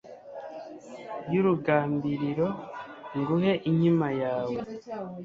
y'urugambiriro nguhe inkima yawe